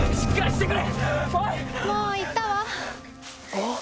あっ！